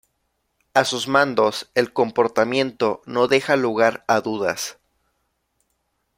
A sus mandos, el comportamiento no deja lugar a dudas.